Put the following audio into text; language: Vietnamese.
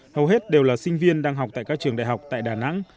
hầu hết đều là sinh viên đang học tại các trường đại học tại đà nẵng